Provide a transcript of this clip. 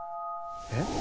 えっ？